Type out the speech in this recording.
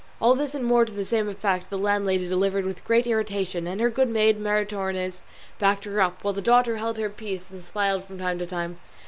All this and more to the same effect the landlady delivered with great irritation, and her good maid Maritornes backed her up, while the daughter held her peace and smiled from time to time.